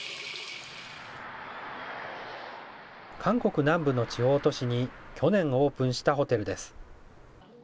韓国南部の地方都市に、去年オープンしたホテルです。